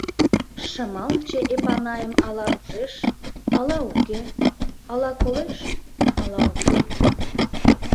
Шымалче Эпанайым ала ужеш, ала уке, ала колеш, ала уке...